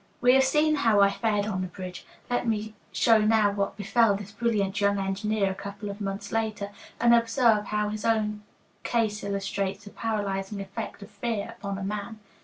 Bedell] We have seen how I fared on the bridge; let me show now what befell this brilliant young engineer a couple of months later, and observe how his own case illustrates the paralyzing effect of fear upon a man.